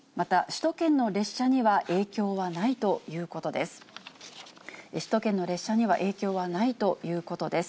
首都圏の列車には影響はないということです。